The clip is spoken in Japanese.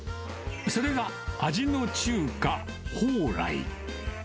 それが味の中華宝来。